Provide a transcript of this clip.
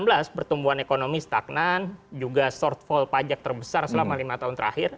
pertumbuhan ekonomi stagnan juga shortfall pajak terbesar selama lima tahun terakhir